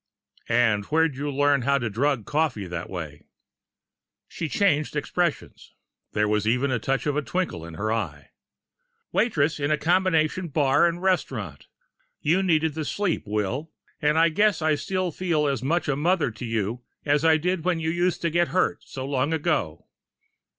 "And where'd you learn how to drug coffee that way?" She didn't change expression. There was even a touch of a twinkle in her eye. "Waitress in a combination bar and restaurant. You needed the sleep, Will. And I guess I still feel as much of a mother to you as I did when you used to get hurt, so long ago."